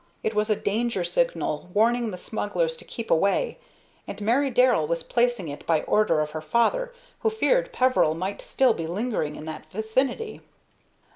It was a danger signal warning the smugglers to keep away, and Mary Darrell was placing it by order of her father, who feared Peveril might still be lingering in that vicinity.